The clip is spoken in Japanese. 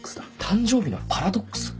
誕生日のパラドックス？